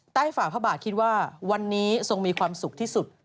ฝ่าพระบาทคิดว่าวันนี้ทรงมีความสุขที่สุด